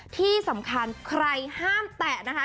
ที่สำคัญใครห้ามแตะนะคะ